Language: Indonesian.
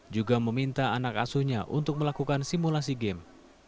juga meminta anak asuhnya untuk melakukan simulasi game